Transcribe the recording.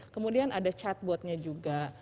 kemudian ada chatbotnya juga